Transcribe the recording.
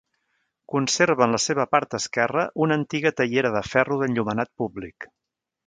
Conserva, en la seva part esquerra, una antiga teiera de ferro d'enllumenat públic.